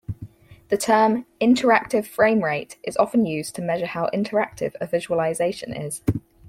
The term "interactive framerate" is often used to measure how interactive a visualization is.